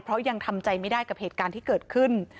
เพราะยังทำใจไม่ได้กับเหตุการณ์ที่เกิดขึ้น